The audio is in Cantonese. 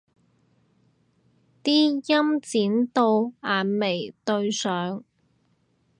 啲陰剪到眼眉對上